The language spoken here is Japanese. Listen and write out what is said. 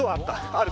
ある